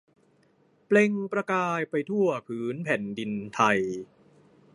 เปล่งประกายไปทั่วผืนแผ่นดินไทย